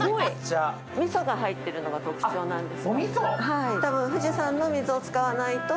みそが入っているのが特徴なんです。